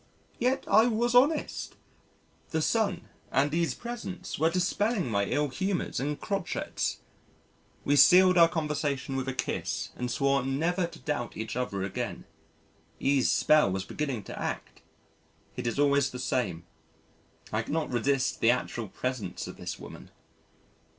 Yet I was honest: the Sun and E.'s presence were dispelling my ill humours and crochets. We sealed our conversation with a kiss and swore never to doubt each other again. E.'s spell was beginning to act. It is always the same. I cannot resist the actual presence of this woman.